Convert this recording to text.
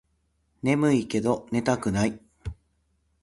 ねむいけど寝たくない